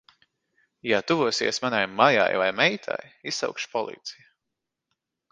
Ja tuvosies manai mājai vai meitai, izsaukšu policiju.